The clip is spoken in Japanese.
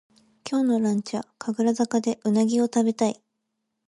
今日のランチは神楽坂でうなぎをたべたい